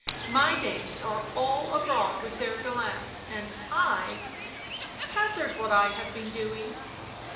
u My dames are all abroad with their gallants — and I Hazard what I have been doing